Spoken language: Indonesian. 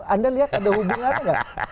anda lihat ada hubungannya nggak